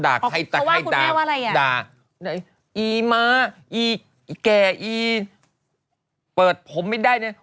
ด่า